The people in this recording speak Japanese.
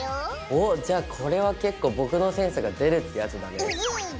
お⁉じゃあこれは結構僕のセンスが出るってやつだね。